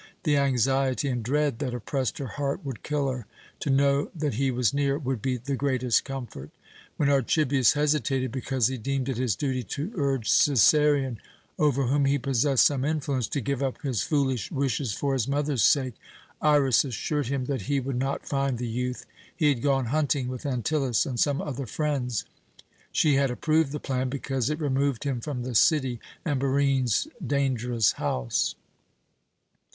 The anxiety and dread that oppressed her heart would kill her. To know that he was near would be the greatest comfort. When Archibius hesitated because he deemed it his duty to urge Cæsarion, over whom he possessed some influence, to give up his foolish wishes for his mother's sake, Iras assured him that he would not find the youth. He had gone hunting with Antyllus and some other friends. She had approved the plan, because it removed him from the city and Barine's dangerous house.